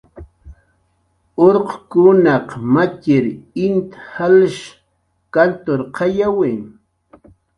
Urqkunaq matxir int jalsh kanturqayawi